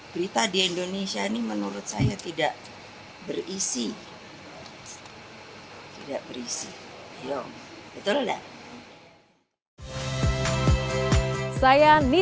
berita di indonesia ini menurut saya tidak berisi tidak berisi